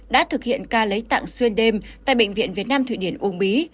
đã thực hiện ca lấy tạng xuyên đêm tại bệnh viện việt nam thụy điển uông bí